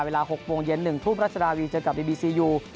เวลา๖โมงเย็น๑ทุ่มรัชดาวีเจอกับบีบีซียู